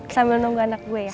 sambil nunggu anak gue ya